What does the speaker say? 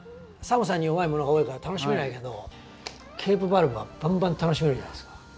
寒さに弱いものが多いから楽しめないけどケープバルブはバンバン楽しめるじゃないですか。